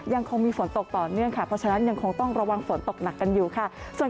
ยังคงมีฝนตกต่อเนื่องค่ะเพราะฉะนั้นยังคงต้องระวังฝนตกหนักกันอยู่ค่ะ